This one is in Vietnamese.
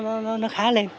thì tôi mừng lắm